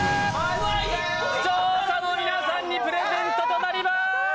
視聴者の皆さんにプレゼントとなります。